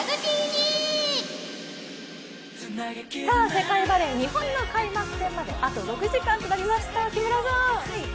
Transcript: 世界バレー日本の開幕戦まであと６時間となりました